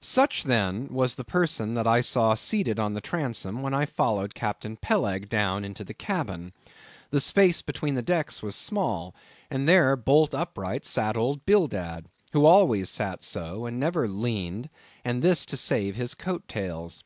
Such, then, was the person that I saw seated on the transom when I followed Captain Peleg down into the cabin. The space between the decks was small; and there, bolt upright, sat old Bildad, who always sat so, and never leaned, and this to save his coat tails.